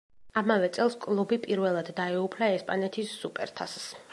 იმავე წელს კლუბი პირველად დაეუფლა ესპანეთის სუპერთასს.